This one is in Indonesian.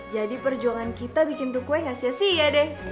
jadi perjuangan kita bikin tuh kue gak sia si ya deh